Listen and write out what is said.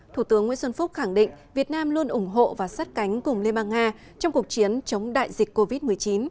thủ tướng nguyễn xuân phúc khẳng định việt nam luôn ủng hộ và sát cánh cùng liên bang nga trong cuộc chiến chống đại dịch covid một mươi chín